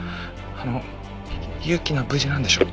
あの雪菜は無事なんでしょ？